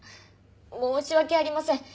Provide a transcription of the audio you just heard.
申し訳ありません。